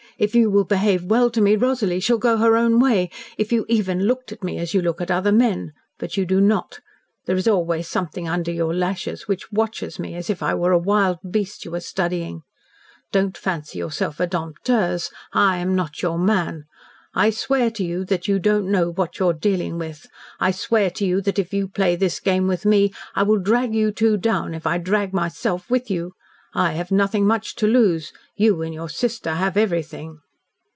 If you will behave well to me, Rosalie shall go her own way. If you even looked at me as you look at other men but you do not. There is always something under your lashes which watches me as if I were a wild beast you were studying. Don't fancy yourself a dompteuse. I am not your man. I swear to you that you don't know what you are dealing with. I swear to you that if you play this game with me I will drag you two down if I drag myself with you. I have nothing much to lose. You and your sister have everything."